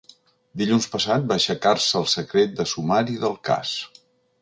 Dilluns passat va aixecar-se el secret de sumari del cas.